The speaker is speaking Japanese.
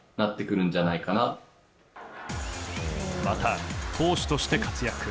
また、投手として活躍。